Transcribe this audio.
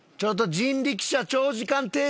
人力車長時間停車。